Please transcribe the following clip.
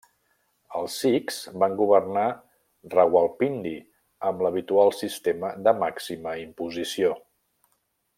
Els sikhs van governar Rawalpindi amb l'habitual sistema de màxima imposició.